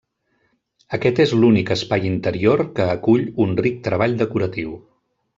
Aquest és l'únic espai interior que acull un ric treball decoratiu.